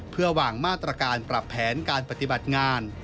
เพื่อวางมาตรการปรับแผนการปฏิบัติงาน